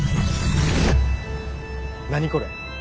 何これ？